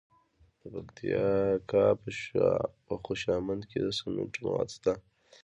د پکتیکا په خوشامند کې د سمنټو مواد شته.